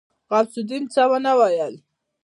غوث الدين څه ونه ويل.